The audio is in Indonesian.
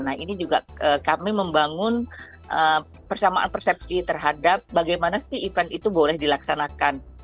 nah ini juga kami membangun persamaan persepsi terhadap bagaimana sih event itu boleh dilaksanakan